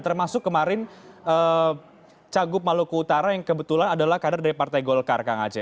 termasuk kemarin cagup maluku utara yang kebetulan adalah kader dari partai golkar kang aceh